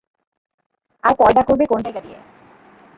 আর পয়দা করবে কোন জায়গা দিয়ে?